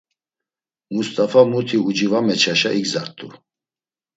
Must̆afa muti uci va meçaşa igzart̆u.